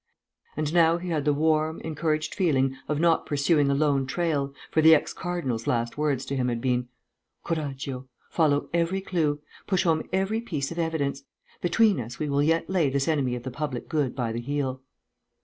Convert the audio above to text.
And now he had the warm, encouraged feeling of not pursuing a lone trail, for the ex cardinal's last words to him had been: "Coraggio! Follow every clue; push home every piece of evidence. Between us we will yet lay this enemy of the public good by the heel."